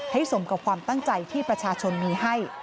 สมกับความตั้งใจที่ประชาชนมีให้